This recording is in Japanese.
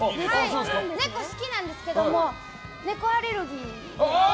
猫好きなんですけれども猫アレルギー。